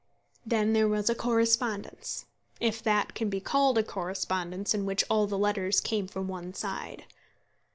Then there was a correspondence, if that can be called a correspondence in which all the letters came from one side.